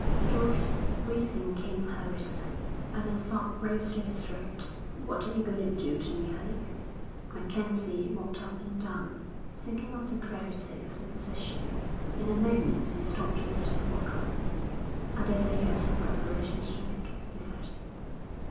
George's breathing came hurriedly, and a sob rose to his throat. 'What are you going to do to me, Alec?' MacKenzie walked up and down, thinking of the gravity of their position. In a moment he stopped and looked at Walker. 'I daresay you have some preparations to make,' he said.